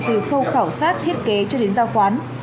từ khâu khảo sát thiết kế cho đến giao khoán